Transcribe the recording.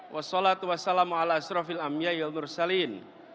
wassalatu wassalamu ala asrofil amyaiyil nur saliin